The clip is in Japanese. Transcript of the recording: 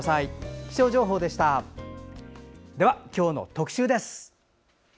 では今日の特集です。